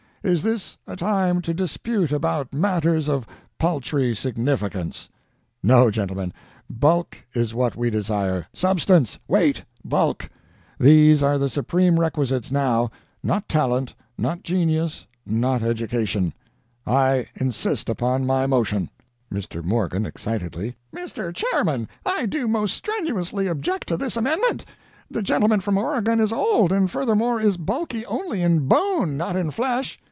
Is this a time to dispute about matters of paltry significance? No, gentlemen, bulk is what we desire substance, weight, bulk these are the supreme requisites now not talent, not genius, not education. I insist upon my motion.' "MR. MORGAN (excitedly): 'Mr. Chairman I do most strenuously object to this amendment. The gentleman from Oregon is old, and furthermore is bulky only in bone not in flesh.